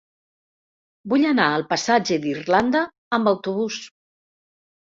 Vull anar al passatge d'Irlanda amb autobús.